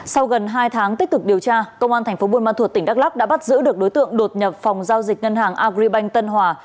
sau gần hai tháng tích cực điều tra công an thành phố buôn ma thuột tỉnh đắk lắc đã bắt giữ được đối tượng đột nhập phòng giao dịch ngân hàng agribank tân hòa